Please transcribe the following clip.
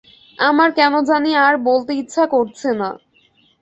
আমার কেন জানি আর বলতে ইচ্ছা করছে না।